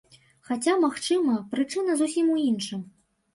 Хаця, магчыма, прычына зусім у іншым.